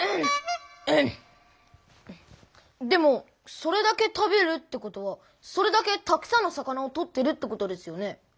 でもそれだけ食べるってことはそれだけたくさんの魚を取ってるってことですよね？